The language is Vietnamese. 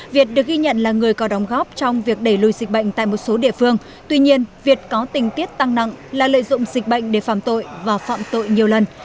việt được ghi nhận là người có đóng góp trong việc đẩy lùi dịch bệnh tại một số địa phương tuy nhiên việt có tình tiết tăng nặng là lợi dụng dịch bệnh để phạm tội và phạm tội nhiều lần